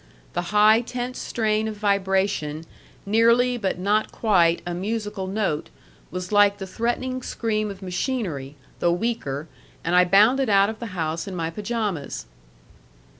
The high, tense strain of vibration, nearly, but not quite, a musical note, was like the threatening scream of machinery, though weaker, and I bounded out of the house in my pajamas.